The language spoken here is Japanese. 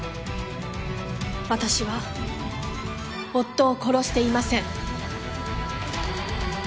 私は夫を殺していません。